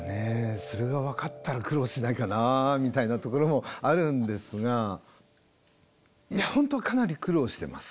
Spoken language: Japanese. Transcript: それが分かったら苦労しないかなみたいなところもあるんですがいや本当かなり苦労してます。